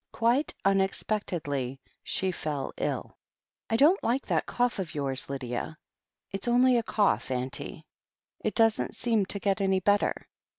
Quite unexpectedly she fell ill. 1 don't like that cough of yours, Lydia." It's only a cold, auntie." "It doesn't seem to get any better.